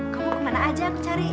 kamu kemana aja mencariin